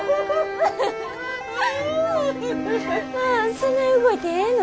そない動いてええの？